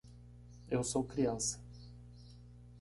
Eu sou criança